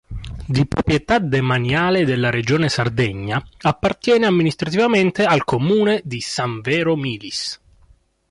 Di proprietà demaniale della Regione Sardegna, appartiene amministrativamente al comune di San Vero Milis.